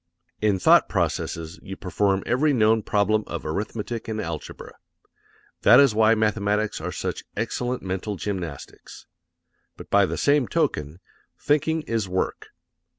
In thought processes you perform every known problem of arithmetic and algebra. That is why mathematics are such excellent mental gymnastics. But by the same token, thinking is work.